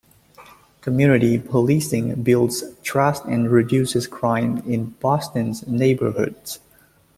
Community policing builds trust and reduces crime in Boston's neighborhoods.